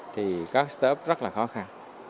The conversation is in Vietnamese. thì các start up rất là khó khăn